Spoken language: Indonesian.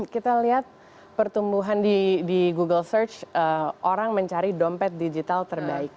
kita lihat pertumbuhan di google search orang mencari dompet digital terbaik